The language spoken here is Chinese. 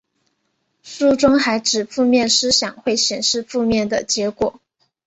书中还指负面思想会显示负面的结果。